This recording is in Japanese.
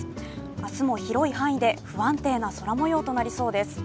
明日も広い範囲で不安定な空もようとなりそうです。